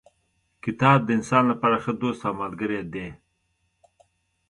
کتاب د انسان لپاره ښه دوست او ملګری دی.